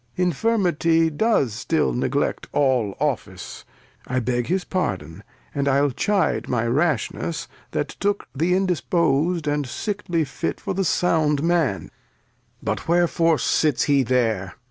Infirmity does stUl neglect all Office ; I beg his Pardon, and I'U chide my Rashness That took the indispos'd and sickly Fit For the sound Man : But wherefore sits he there